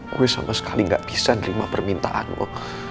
gue sama sekali gak bisa nerima permintaan lo